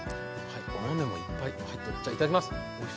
お豆もいっぱい入ってる。